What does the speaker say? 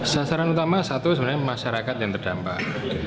sasaran utama satu sebenarnya masyarakat yang terdampak